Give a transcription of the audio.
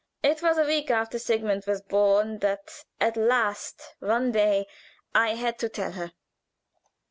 It was a week after Sigmund was born that at last one day I had to tell her.